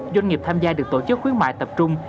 doanh nghiệp tham gia được tổ chức khuyến mại tập trung